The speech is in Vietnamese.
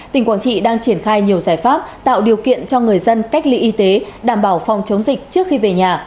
tỉnh quảng trị đang triển khai nhiều giải pháp tạo điều kiện cho người dân cách ly y tế đảm bảo phòng chống dịch trước khi về nhà